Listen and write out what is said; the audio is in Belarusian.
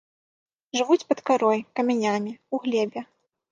Жывуць пад карой, камянямі, у глебе.